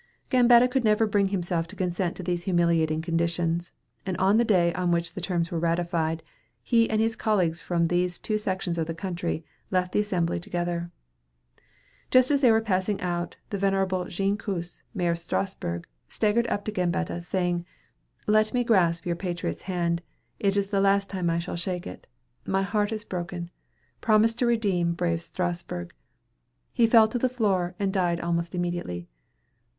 Gambetta could never bring himself to consent to these humiliating conditions, and on the day on which the terms were ratified, he and his colleagues from these two sections of the country, left the assembly together. Just as they were passing out, the venerable Jean Kuss, mayor of Strasburg, staggered up to Gambetta, saying, "Let me grasp your patriot's hand. It is the last time I shall shake it. My heart is broken. Promise to redeem brave Strasburg." He fell to the floor, and died almost immediately.